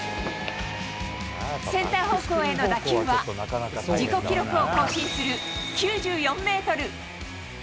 センター方向への打球は、自己記録を更新する９４メートル。